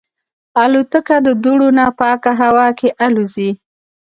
الوتکه د دوړو نه پاکه هوا کې الوزي.